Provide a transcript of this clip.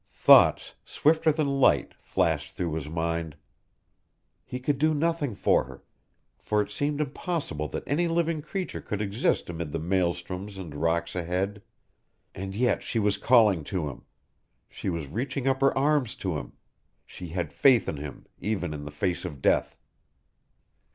Thoughts, swifter than light, flashed through his mind. He could do nothing for her, for it seemed impossible that any living creature could exist amid the maelstroms and rocks ahead. And yet she was calling to him. She was reaching up her arms to him. She had faith in him, even in the face of death.